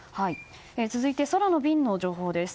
続いて空の便の情報です。